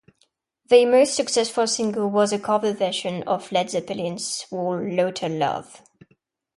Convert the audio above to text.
Their most successful single was a cover version of Led Zeppelin's "Whole Lotta Love".